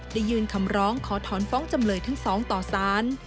ยื่นคำร้องขอถอนฟ้องจำเลยทั้งสองต่อสาร